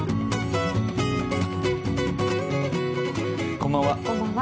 こんばんは。